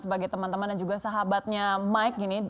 sebagai teman teman dan juga sahabatnya mike gini